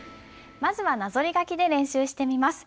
まずはなぞり書きで練習してみます。